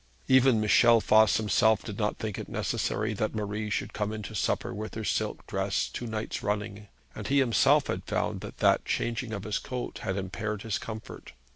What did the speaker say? Even Michel Voss himself did not think it necessary that Marie should come in to supper with her silk dress two nights running; and he himself had found that that changing of his coat had impaired his comfort.